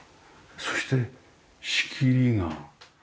そして仕切りが。